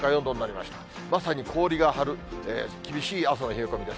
まさに氷が張る厳しい朝の冷え込みです。